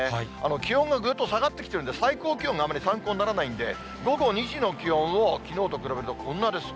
気温がぐっと下がってきてるんで、最高気温があまり参考にならないんで、午後２時の気温をきのうと比べると、こんなです。